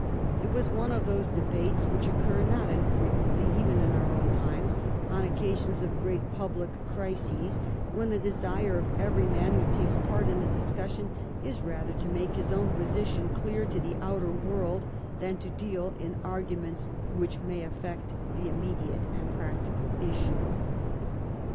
It was one of those debates which occur not infrequently even in our own times on oc casions of great public crises when the desire of every man who takes part in the discussion is rather to make his own position clear to the outer world than to deal in arguments which may affect the immediate and practical issue.